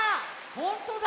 ほんとだ！